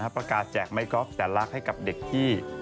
ประกาศแจกไมค์ก๊อฟแต่ลักให้กับเด็กขี้